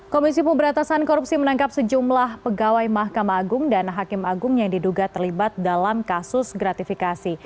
komisi pemberatasan korupsi menangkap sejumlah pegawai mahkamah agung dan hakim agung yang diduga terlibat dalam kasus gratifikasi